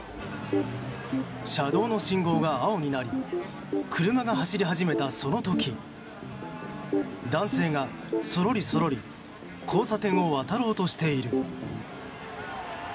車道の信号が青になり車が走り始めたその時男性がそろりそろり交差点を渡ろうとしている。